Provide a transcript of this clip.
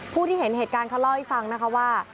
ผู้ที่เห็นเหตุการณ์เขาเล่าให้ฟังนะคะว่า